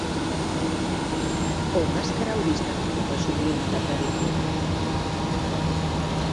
"Ou máscara, ou distancia", resumiu o mandatario galego.